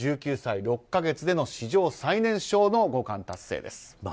１９歳６か月での史上最年少の五冠達成です。